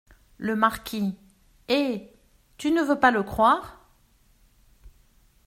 Le Marquis - Eh ! tu ne veux pas le croire !